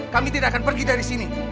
kami tidak akan pergi dari sini